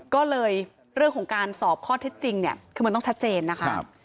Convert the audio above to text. ก็เลยเรื่องของการสอบข้อเท็จจริงเนี่ยคือมันต้องชัดเจนนะคะ